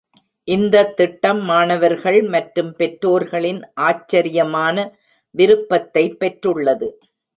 இந்த திட்டம் மாணவர்கள் மற்றும் பெற்றோர்களின் ஆச்சரியமான விருப்பத்தை பெற்றுள்ளது.